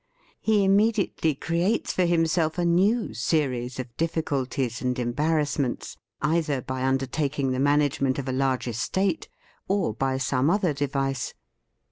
He immediately creates for himself a new series of difficulties and embarrassments, either by undertaking the management of a large estate, or by some other device.